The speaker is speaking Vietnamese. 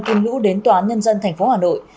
kim lũ đến tòa nhân dân tp hà nội